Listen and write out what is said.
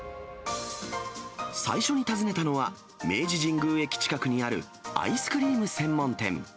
最初に訪ねたのは、明治神宮駅近くにあるアイスクリーム専門店。